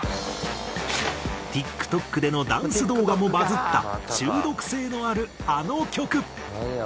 ＴｉｋＴｏｋでのダンス動画もバズった中毒性のあるあの曲。